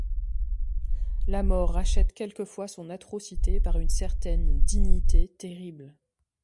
La mort rachète quelquefois son atrocité par une certaine dignité terrible.